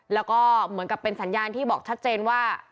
แล้วก็เหมือนกับเป็นสัญญาณที่บอกชัดเจนว่า